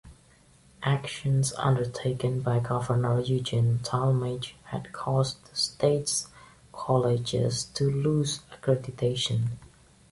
Actions undertaken by Governor Eugene Talmadge had caused the state's colleges to lose accreditation.